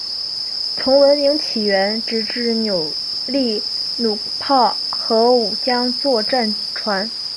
从文明起源直至扭力弩炮和五桨座战船。